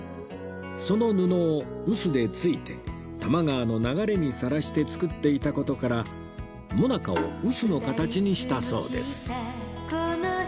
その布を臼でついて多摩川の流れにさらして作っていた事から最中を臼の形にしたそうです